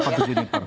apa itu juniper